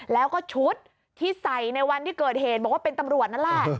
แล้วก็ชุดที่ใส่ในวันที่เกิดเหตุบอกว่าเป็นตำรวจนั่นแหละ